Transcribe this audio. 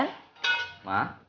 oke udah jadi